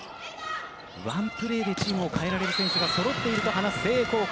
ワンプレーでチームを変えられる選手が揃っていると話す誠英高校。